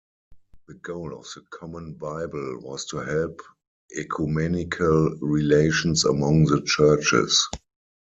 The goal of the "Common Bible" was to help ecumenical relations among the churches.